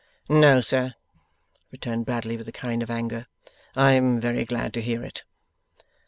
'No, sir,' returned Bradley, with a kind of anger. 'I am very glad to hear it.